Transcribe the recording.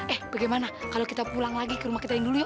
eh bagaimana kalau kita pulang lagi ke rumah kita yang dulu yuk